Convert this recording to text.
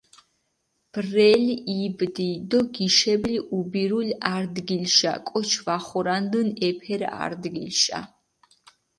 ბრელი იბდი დო გიშებლი უბირული არდგილიშა, კოჩი ვახორანდჷნ ეფერ არდგილიშა.